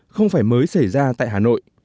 không phải mới xảy ra tại hà nội